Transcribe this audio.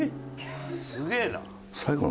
すげえな。